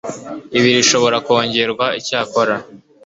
ibiri ishobora kongerwa Icyakora